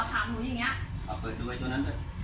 ถามหนูอย่างเงี้ยเอาเปิดดูไว้ตรงนั้นด้วย